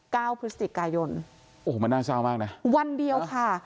เก้าพฤศจิกายนโอ้โหมันน่าเศร้ามากนะวันเดียวค่ะ